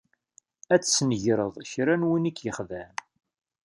Ad tesnegreḍ kra n win i k-ixedɛen.